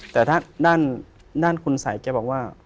แต่ถ้าด้านคุณสัยแกบอกว่า